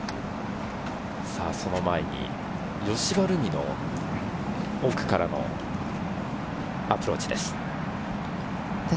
その前に葭葉ルミの奥からのアプローチです。